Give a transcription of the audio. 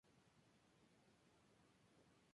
Realizó sus estudios en el Colegio Markham.